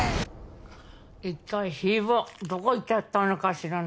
一体ヒー坊どこ行っちゃったのかしらね。